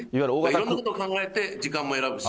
いろいろなことを考えて時間も選ぶし。